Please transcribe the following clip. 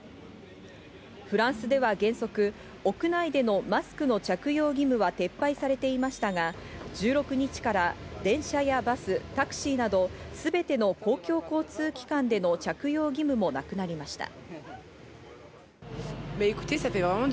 フランスでは原則、屋内でのマスクの着用義務は撤廃されていましたが、１６日から電車やバス、タクシーなどすべての公共交通機関での着用義務もなくなりました。